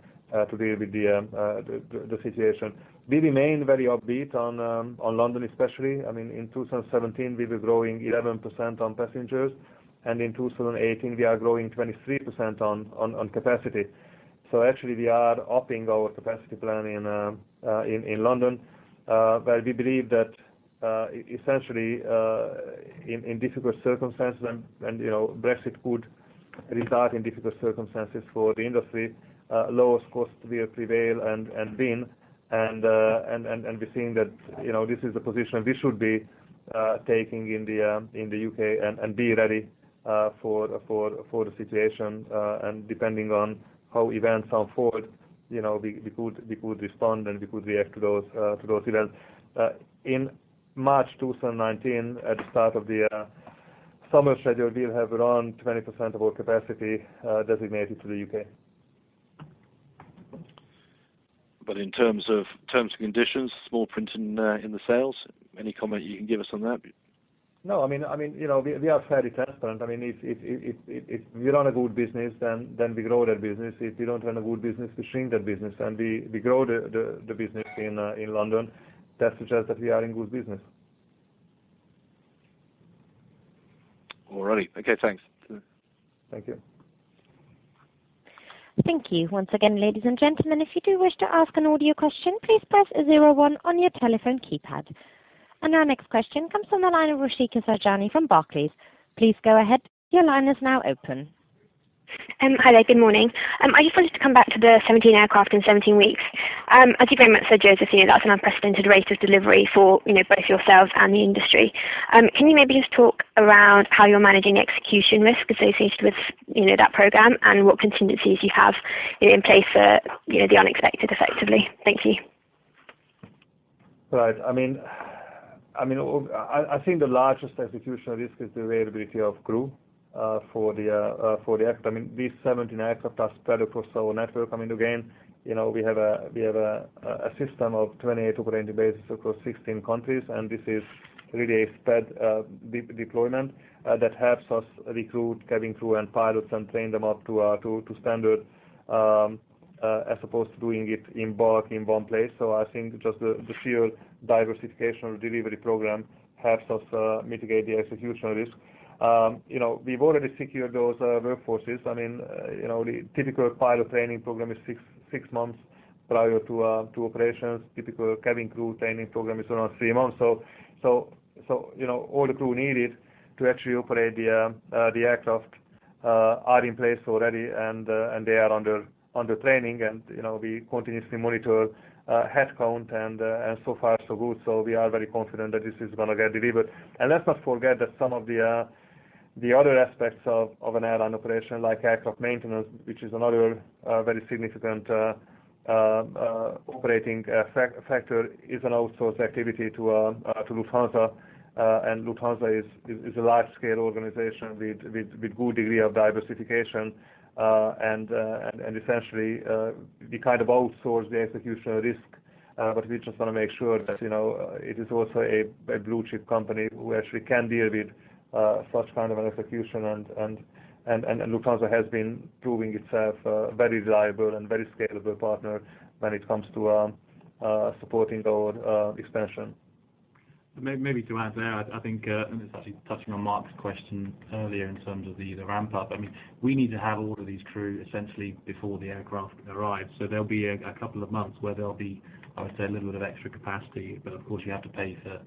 Speaker 2: to deal with the situation. We remain very upbeat on London, especially. In 2017, we were growing 11% on passengers, and in 2018, we are growing 23% on capacity. Actually, we are upping our capacity plan in London, where we believe that essentially, in difficult circumstances, and Brexit could result in difficult circumstances for the industry, lowest costs will prevail and win. We're seeing that this is the position we should be taking in the U.K. and be ready for the situation, and depending on how events unfold, we could respond, and we could react to those events. In March 2019, at the start of the summer schedule, we'll have around 20% of our capacity designated to the U.K.
Speaker 7: In terms of terms and conditions, small print in the sales, any comment you can give us on that?
Speaker 2: No. We are fairly transparent. If we run a good business, then we grow that business. If we don't run a good business, we shrink that business, and we grow the business in London. That suggests that we are in good business.
Speaker 7: All righty. Okay, thanks.
Speaker 2: Thank you.
Speaker 1: Thank you once again, ladies and gentlemen. If you do wish to ask an audio question, please press 01 on your telephone keypad. Our next question comes from the line of Rushika Sajjani from Barclays. Please go ahead. Your line is now open.
Speaker 8: Hi there. Good morning. I just wanted to come back to the 17 aircraft in 17 weeks. As you very much said, József, that's an unprecedented rate of delivery for both yourselves and the industry. Can you maybe just talk around how you're managing execution risk associated with that program, what contingencies you have in place for the unexpected, effectively? Thank you.
Speaker 2: Right. I think the largest execution risk is the availability of crew for the aircraft. These 17 aircraft are spread across our network. Again, we have a system of 28 operating bases across 16 countries. This is really a spread deployment that helps us recruit cabin crew and pilots and train them up to standard as opposed to doing it in bulk in one place. I think just the sheer diversification of the delivery program helps us mitigate the execution risk. We've already secured those workforces. The typical pilot training program is six months prior to operations. Typical cabin crew training program is around three months. All the crew needed to actually operate the aircraft are in place already. They are under training. We continuously monitor headcount, and so far, so good. We are very confident that this is going to get delivered. Let's not forget that some of the other aspects of an airline operation, like aircraft maintenance, which is another very significant operating factor, is an outsourced activity to Lufthansa. Lufthansa is a large-scale organization with good degree of diversification. Essentially, we kind of outsource the execution risk. We just want to make sure that it is also a blue-chip company who actually can deal with such kind of an execution. Lufthansa has been proving itself a very reliable and very scalable partner when it comes to supporting our expansion.
Speaker 3: Maybe to add there, I think, and this actually touching on Mark's question earlier in terms of the ramp-up. We need to have all of these crew essentially before the aircraft arrive. There'll be a couple of months where there'll be, I would say, a little bit of extra capacity, but of course, you have to pay for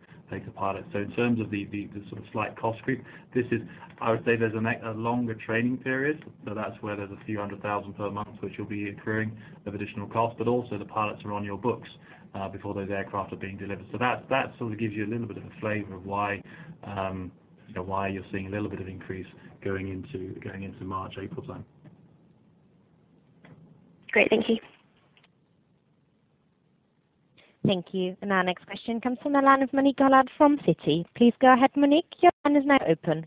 Speaker 3: pilots. In terms of the sort of slight cost creep, I would say there's a longer training period, that's where there's a few 100,000 per month, which you'll be accruing of additional cost, but also the pilots are on your books before those aircraft are being delivered. That sort of gives you a little bit of a flavor of why you're seeing a little bit of increase going into March, April time.
Speaker 8: Great. Thank you.
Speaker 1: Thank you. Our next question comes from the line of Monique Gallard from Citi. Please go ahead, Monique. Your line is now open.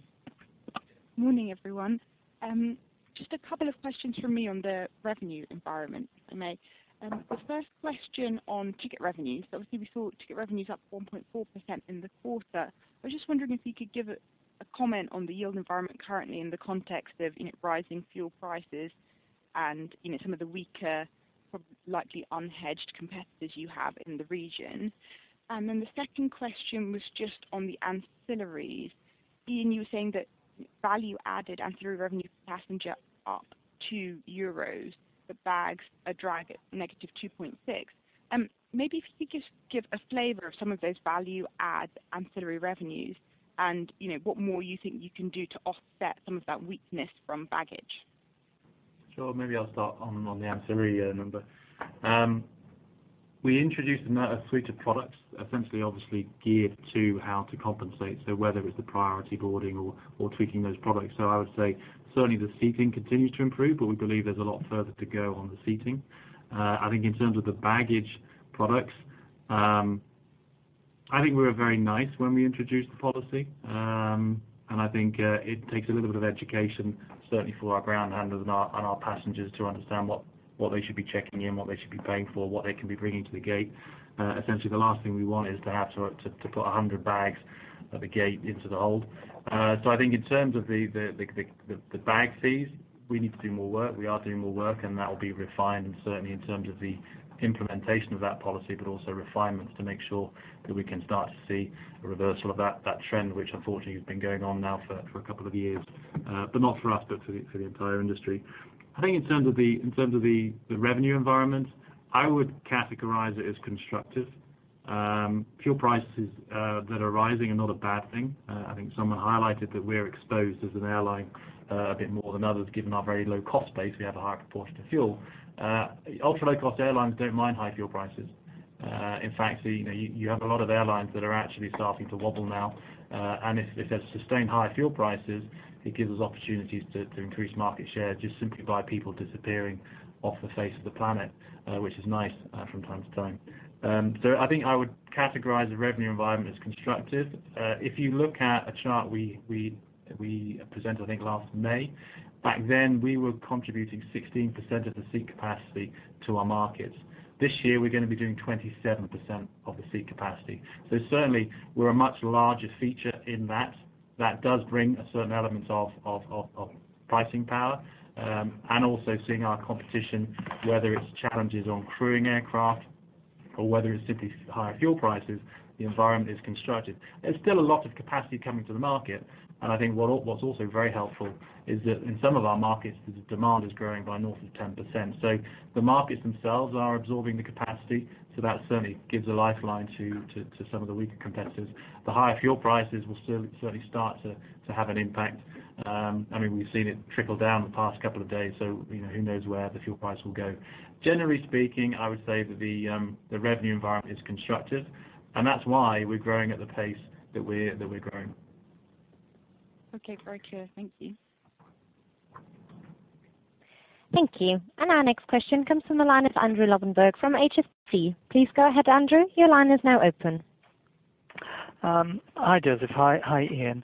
Speaker 9: Morning, everyone. Just a couple of questions from me on the revenue environment, if I may. The first question on ticket revenues. Obviously, we saw ticket revenues up 1.4% in the quarter. I was just wondering if you could give a comment on the yield environment currently in the context of rising fuel prices. Some of the weaker, likely unhedged competitors you have in the region. The second question was just on the ancillaries. Ian, you were saying that value-added ancillary revenue passenger are 2 euros, but bags are dragged at negative 2.6. Maybe if you could just give a flavor of some of those value-add ancillary revenues and what more you think you can do to offset some of that weakness from baggage.
Speaker 3: Sure. Maybe I'll start on the ancillary number. We introduced a suite of products, essentially, obviously, geared to how to compensate. Whether it's the priority boarding or tweaking those products. I would say, certainly, the seating continues to improve, but we believe there's a lot further to go on the seating. I think in terms of the baggage products, I think we were very nice when we introduced the policy. I think it takes a little bit of education, certainly for our ground handlers and our passengers to understand what they should be checking in, what they should be paying for, what they can be bringing to the gate. The last thing we want is to have to put 100 bags at the gate into the hold. I think in terms of the bag fees, we need to do more work. We are doing more work, that will be refined certainly in terms of the implementation of that policy, but also refinements to make sure that we can start to see a reversal of that trend, which unfortunately has been going on now for a couple of years. Not for us, but for the entire industry. I think in terms of the revenue environment, I would categorize it as constructive. Fuel prices that are rising are not a bad thing. I think someone highlighted that we're exposed as an airline a bit more than others, given our very low-cost base, we have a higher proportion to fuel. Ultra-low-cost airlines don't mind high fuel prices. In fact, you have a lot of airlines that are actually starting to wobble now. If they sustain high fuel prices, it gives us opportunities to increase market share just simply by people disappearing off the face of the planet, which is nice from time to time. I think I would categorize the revenue environment as constructive. If you look at a chart we presented, I think last May, back then, we were contributing 16% of the seat capacity to our markets. This year, we're going to be doing 27% of the seat capacity. Certainly, we're a much larger feature in that. That does bring certain elements of pricing power. Also seeing our competition, whether it's challenges on crewing aircraft or whether it's simply higher fuel prices, the environment is constructive. There's still a lot of capacity coming to the market, I think what's also very helpful is that in some of our markets, the demand is growing by north of 10%. The markets themselves are absorbing the capacity. That certainly gives a lifeline to some of the weaker competitors. The higher fuel prices will certainly start to have an impact. We've seen it trickle down the past couple of days, who knows where the fuel price will go. Generally speaking, I would say that the revenue environment is constructive, that's why we're growing at the pace that we're growing.
Speaker 9: Okay. Very clear. Thank you.
Speaker 1: Thank you. Our next question comes from the line of Andrew Lobbenberg from HSBC. Please go ahead, Andrew. Your line is now open.
Speaker 10: Hi, József. Hi, Ian.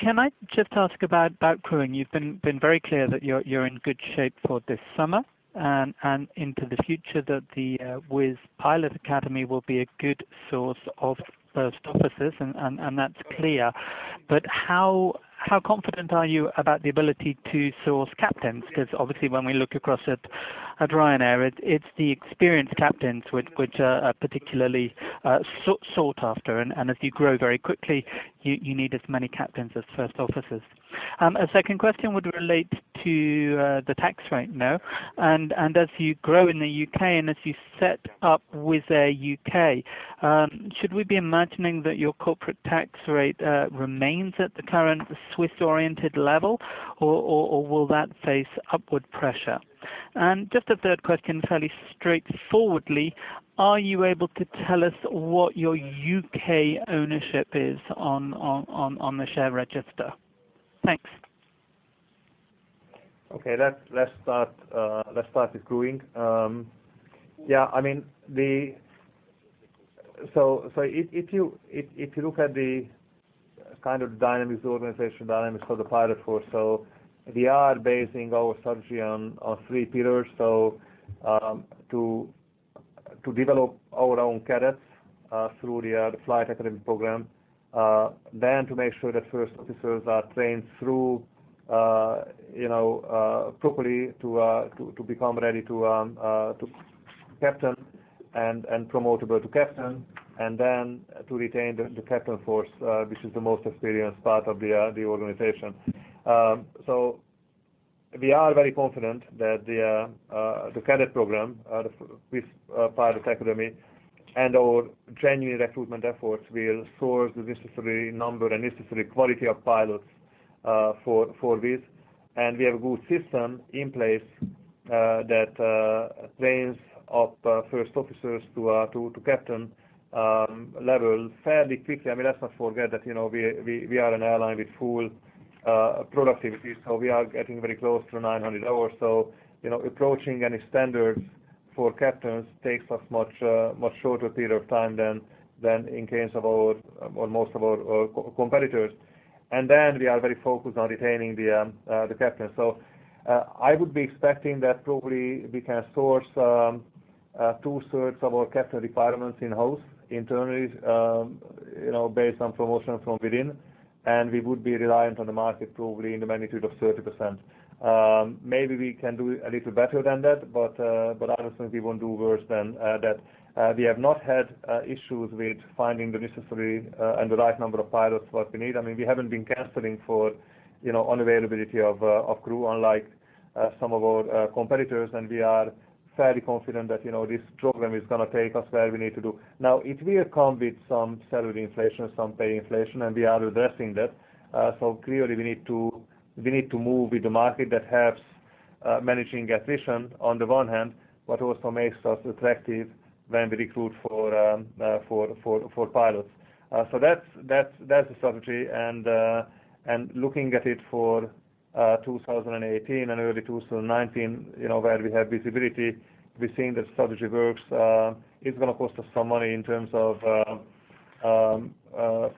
Speaker 10: Can I just ask about crewing? You've been very clear that you're in good shape for this summer and into the future, that the Wizz Pilot Academy will be a good source of first officers, and that's clear. How confident are you about the ability to source captains? Because obviously when we look across at Ryanair, it's the experienced captains which are particularly sought after. As you grow very quickly, you need as many captains as first officers. A second question would relate to the tax rate now. As you grow in the U.K. and as you set up Wizz UK, should we be imagining that your corporate tax rate remains at the current Swiss-oriented level, or will that face upward pressure? Just a third question, fairly straightforwardly, are you able to tell us what your U.K. ownership is on the share register? Thanks.
Speaker 2: Okay. Let's start with crewing. If you look at the kind of dynamics, the organization dynamics for the pilot force. We are basing our strategy on three pillars. To develop our own cadets through the flight academy program, then to make sure that first officers are trained through properly to become ready to captain and promotable to captain, and then to retain the captain force, which is the most experienced part of the organization. We are very confident that the cadet program with Pilot Academy and our genuine recruitment efforts will source the necessary number and necessary quality of pilots for Wizz. We have a good system in place that trains up first officers to captain level fairly quickly. Let's not forget that we are an airline with full productivity, so we are getting very close to 900 hours. Approaching any standards for captains takes us a much shorter period of time than in case of most of our competitors. We are very focused on retaining the captains. I would be expecting that probably we can source Two-thirds of our captain requirements in-house internally, based on promotions from within. We would be reliant on the market probably in the magnitude of 30%. Maybe we can do a little better than that, I don't think we won't do worse than that. We have not had issues with finding the necessary and the right number of pilots what we need. We haven't been canceling for unavailability of crew unlike some of our competitors. We are fairly confident that this program is going to take us where we need to do. Now, it will come with some salary inflation, some pay inflation, and we are addressing that. Clearly we need to move with the market that helps managing attrition on the one hand, but also makes us attractive when we recruit for pilots. That's the strategy. Looking at it for 2018 and early 2019, where we have visibility, we're seeing that strategy works. It's going to cost us some money in terms of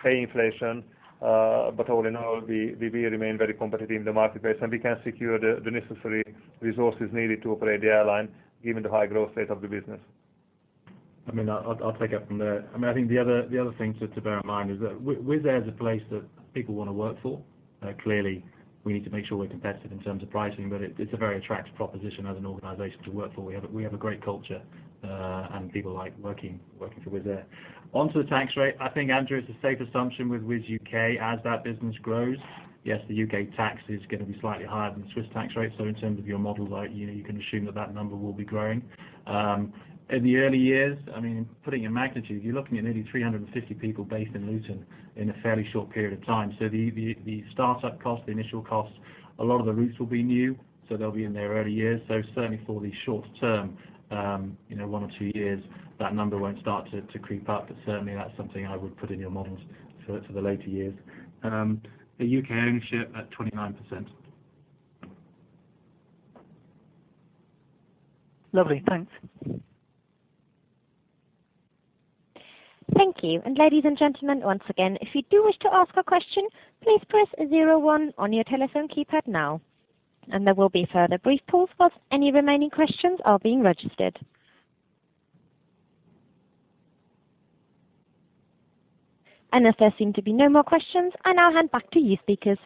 Speaker 2: pay inflation. All in all, we will remain very competitive in the marketplace. We can secure the necessary resources needed to operate the airline given the high growth rate of the business.
Speaker 3: I'll take it from there. I think the other thing to bear in mind is that Wizz Air is a place that people want to work for. Clearly, we need to make sure we're competitive in terms of pricing, but it's a very attractive proposition as an organization to work for. We have a great culture, and people like working for Wizz Air. On to the tax rate, I think Andrew, it's a safe assumption with Wizz UK as that business grows. Yes, the U.K. tax is going to be slightly higher than Swiss tax rate. In terms of your model, you can assume that that number will be growing. In the early years, putting in magnitude, you're looking at nearly 350 people based in Luton in a fairly short period of time. The startup cost, the initial cost, a lot of the routes will be new, they'll be in their early years. Certainly for the short term, one or two years, that number won't start to creep up, but certainly that's something I would put in your models for the later years. The U.K. ownership at 29%.
Speaker 10: Lovely. Thanks.
Speaker 1: Thank you. Ladies and gentlemen, once again, if you do wish to ask a question, please press 01 on your telephone keypad now, there will be further brief pause whilst any remaining questions are being registered. As there seem to be no more questions, I now hand back to you, speakers.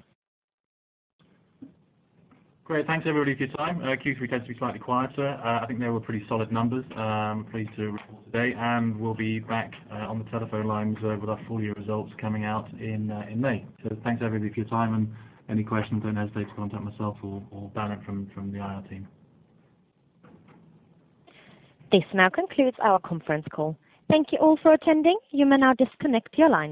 Speaker 3: Great. Thanks everybody for your time. Q3 tends to be slightly quieter. I think they were pretty solid numbers. I'm pleased to report today, and we'll be back on the telephone lines with our full year results coming out in May. Thanks everybody for your time and any questions, don't hesitate to contact myself or Daniel from the IR team.
Speaker 1: This now concludes our conference call. Thank you all for attending. You may now disconnect your lines.